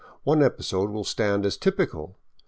One episode will stand as typical.